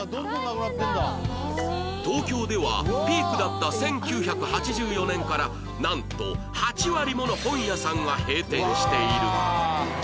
東京ではピークだった１９８４年からなんと８割もの本屋さんが閉店している